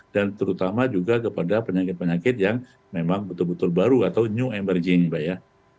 dan terutama juga kepada penyakit penyakit yang memang betul betul baru atau new emerging mbak ya